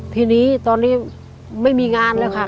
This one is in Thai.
ทีนี้ตอนนี้ไม่มีงานแล้วค่ะ